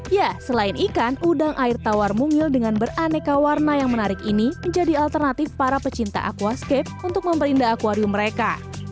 ya selain ikan udang air tawar mungil dengan beraneka warna yang menarik ini menjadi alternatif para pecinta aquascape untuk memperindah akwarium mereka